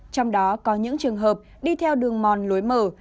trong đó có những trường hợp đi theo đường mòn lối mở